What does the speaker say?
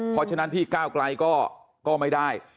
เพราะฉะนั้นพี่ก้าวไกลก็ไม่ได้